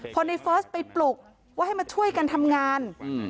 พอในเฟิร์สไปปลุกว่าให้มาช่วยกันทำงาน